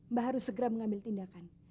mbah harus segera mengambil tindakan